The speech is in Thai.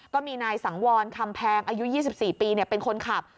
ก็มีนายสังวรคำแพงอายุ๒๔ปีเป็นคนขับ